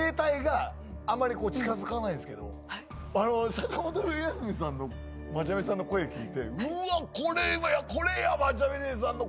坂本冬休みさんのマチャミさんの声聞いて「うわ。これや」うれしい。